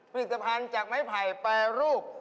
ผลิตภัณฑ์จากไม้ไผ่แปรรูป